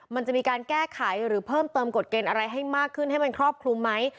มันจะมีการแก้ไขหรือเพิ่มเติมกฎเกณฑ์อะไรให้มากขึ้นให้มันครอบคลุมไหม